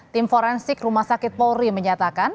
tim forensik rumah sakit polri menyatakan